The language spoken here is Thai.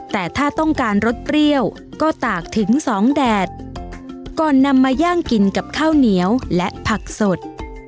แต่ถ้าต้องการรสเปรี้ยวก็ตากถึงสองแดดก่อนนำมาย่างกินกับข้าวเหนียวและผักสด